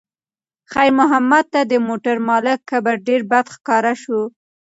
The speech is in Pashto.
خیر محمد ته د موټر د مالک کبر ډېر بد ښکاره شو.